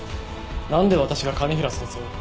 なんで私が兼平先生を。